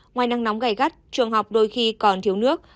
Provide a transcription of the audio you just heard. ngoài năng nóng gầy gắt trường học đôi khi còn thiếu nước